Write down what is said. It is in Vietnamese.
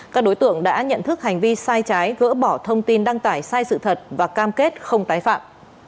các đối tượng đã nhận thức hành vi sai trái gỡ bỏ thông tin đăng tải sai sự thật và cam kết không tái phạm